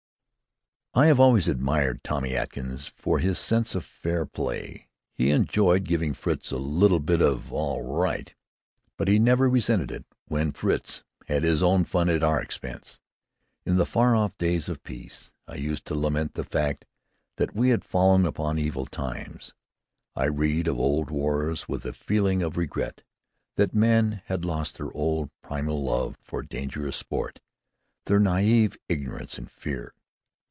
I have always admired Tommy Atkins for his sense of fair play. He enjoyed giving Fritz "a little bit of all right," but he never resented it when Fritz had his own fun at our expense. In the far off days of peace, I used to lament the fact that we had fallen upon evil times. I read of old wars with a feeling of regret that men had lost their old primal love for dangerous sport, their naïve ignorance of fear.